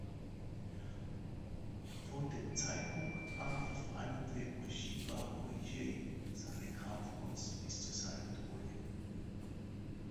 Von dem Zeitpunkt an verfeinerte Ueshiba Morihei seine Kampfkunst bis zu seinem Tode.